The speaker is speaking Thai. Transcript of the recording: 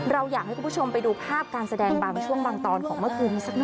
เราอยากให้คุณผู้ชมไปดูภาพการแสดงบางช่วงบางตอนของเมื่อคืนสักหน่อย